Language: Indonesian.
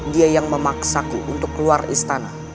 dia yang memaksaku untuk keluar istana